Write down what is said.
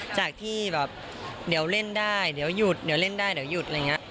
จากที่แบบเดี๋ยวเล่นได้เดี๋ยวหยุดเดี๋ยวเล่นได้เดี๋ยวหยุดอะไรอย่างนี้